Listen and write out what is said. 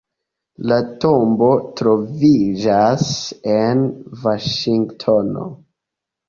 La tombo troviĝas en Vaŝingtono.